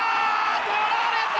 捕られた！